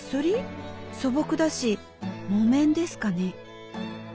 素朴だし木綿ですかね。